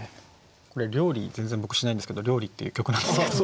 これ料理全然僕しないんですけど「料理」っていう曲なんですけど。